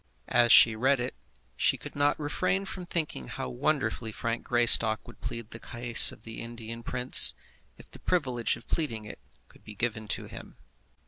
As she read it, she could not refrain from thinking how wonderfully Frank Greystock would plead the cause of the Indian prince, if the privilege of pleading it could be given to him.